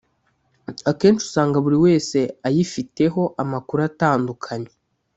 akenshi usanga buri wese ayifiteho amakuru atandukanye